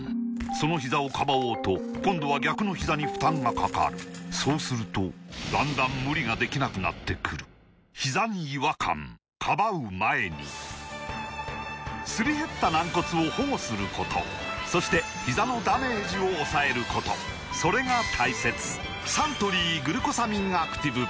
そのひざをかばおうと今度は逆のひざに負担がかかるそうするとだんだん無理ができなくなってくるすり減った軟骨を保護することそしてひざのダメージを抑えることそれが大切サントリー「グルコサミンアクティブ」